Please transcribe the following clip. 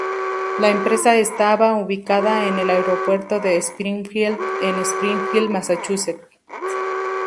La empresa estaba ubicada en el Aeropuerto de Springfield en Springfield, Massachusetts.